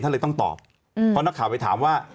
ถ้าคุณแมทรุกก็โพสต์ว่าจุดเขาติดเชื้อมีความผิดไหม